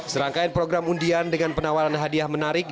serangkaian program undian dengan penawaran hadiah menarik